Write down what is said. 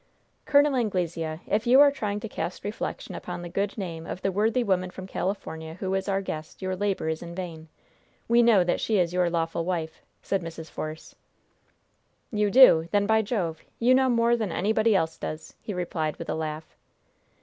"Col. Anglesea, if you are trying to cast reflection upon the good name of the worthy woman from California who is our guest, your labor is in vain. We know that she is your lawful wife," said Mrs. Force. "You do! Then, by Jove, you know more than anybody else does!" he replied, with a laugh.